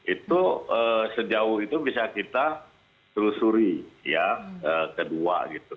itu sejauh itu bisa kita telusuri ya kedua gitu